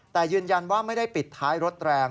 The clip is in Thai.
แต่ยืนยันว่าไม่ได้ปิดท้ายรถแรง